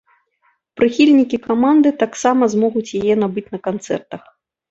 Прыхільнікі каманды таксама змогуць яе набыць на канцэртах.